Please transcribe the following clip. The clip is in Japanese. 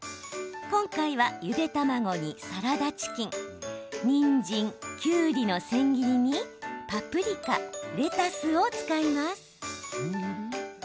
今回は、ゆで卵にサラダチキンにんじん、きゅうりの千切りにパプリカ、レタスを使います。